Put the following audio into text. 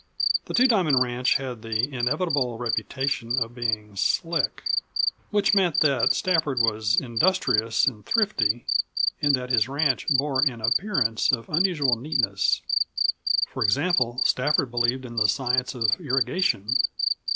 The Two Diamond ranch had the enviable reputation of being "slick" which meant that Stafford was industrious and thrifty and that his ranch bore an appearance of unusual neatness. For example, Stafford believed in the science of irrigation.